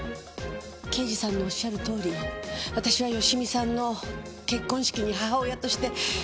刑事さんのおっしゃるとおり私は芳美さんの結婚式に母親として出席しました。